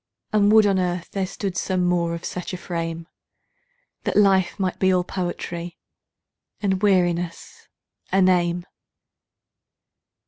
and would on earth there stood some more of such a frame, That life might be all poetry, and weariness a name.